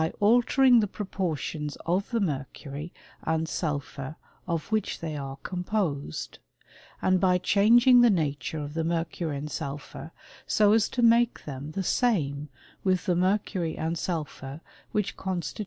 altering the proportions of the mercury and sulphur (2|' which they are composed, and by changing the natui% of the mercury and sulphur so as to make them ibj^ same with the mercury and sulphur which constita|% * Sam of Perfection, book ii.